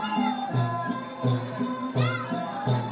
การทีลงเพลงสะดวกเพื่อความชุมภูมิของชาวไทย